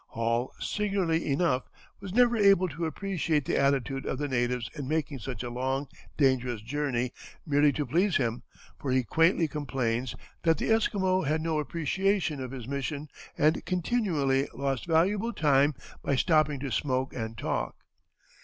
Hall, singularly enough, was never able to appreciate the attitude of the natives in making such a long, dangerous journey merely to please him, for he quaintly complains that the Esquimaux had no appreciation of his mission and continually lost valuable time by stopping to smoke and talk.